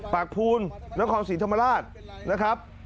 ปากพูนนครศีรธรรมราชนะครับ